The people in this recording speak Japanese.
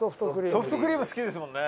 ソフトクリーム好きですもんね。